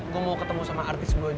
gue mau ketemu sama artis sebelumnya